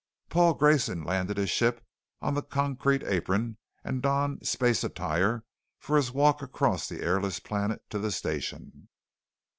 Paul Grayson landed his ship on the concrete apron and donned space attire for his walk across the airless planet to the Station.